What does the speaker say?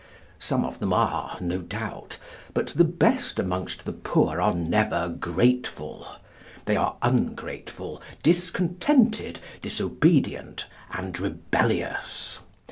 Some of them are, no doubt, but the best amongst the poor are never grateful. They are ungrateful, discontented, disobedient, and rebellious.